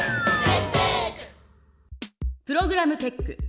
プログラムテック。